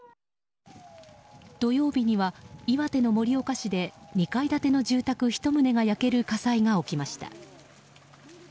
土曜日には岩手の盛岡市で２階建ての住宅１棟が焼ける火災が起きました。